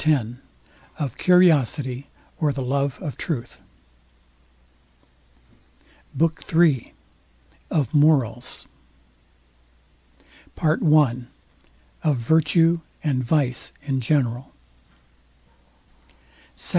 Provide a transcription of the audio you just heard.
X OF CURIOSITY, OR THE LOVE OF TRUTH BOOK III OF MORALS PART I OF VIRTUE AND VICE IN GENERAL SECT.